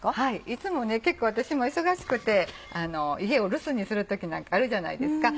いつもね結構私も忙しくて家を留守にする時なんかあるじゃないですか。